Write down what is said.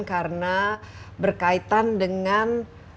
karena berkaitan dengan